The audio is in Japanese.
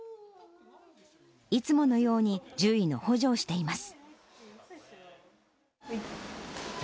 いつものように獣医の補助をしています。